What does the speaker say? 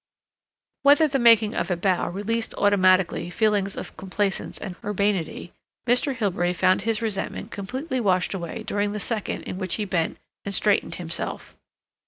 Whether the making of a bow released automatically feelings of complaisance and urbanity, Mr. Hilbery found his resentment completely washed away during the second in which he bent and straightened himself.